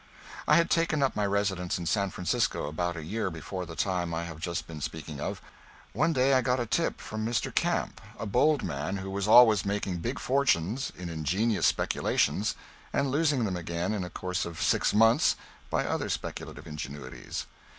I had taken up my residence in San Francisco about a year before the time I have just been speaking of. One day I got a tip from Mr. Camp, a bold man who was always making big fortunes in ingenious speculations and losing them again in the course of six months by other speculative ingenuities.